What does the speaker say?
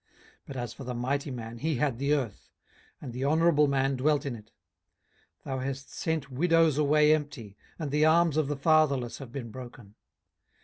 18:022:008 But as for the mighty man, he had the earth; and the honourable man dwelt in it. 18:022:009 Thou hast sent widows away empty, and the arms of the fatherless have been broken.